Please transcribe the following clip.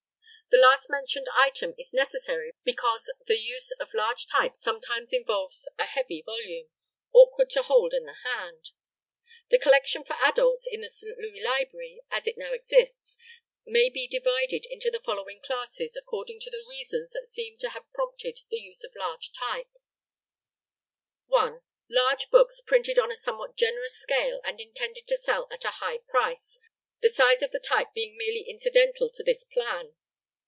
The last mentioned item is necessary because the use of large type sometimes involves a heavy volume, awkward to hold in the hand. The collection for adults in the St. Louis Library, as it now exists, may be divided into the following classes, according to the reasons that seem to have prompted the use of large type: 1. Large books printed on a somewhat generous scale and intended to sell at a high price, the size of the type being merely incidental to this plan.